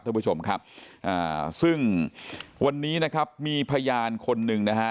ท่านผู้ชมครับอ่าซึ่งวันนี้นะครับมีพยานคนหนึ่งนะฮะ